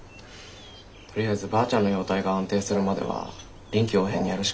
とりあえずばあちゃんの容体が安定するまでは臨機応変にやるしかないな。